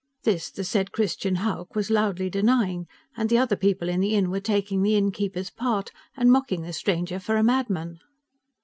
This the said Christian Hauck was loudly denying, and the other people in the inn were taking the innkeeper's part, and mocking the stranger for a madman.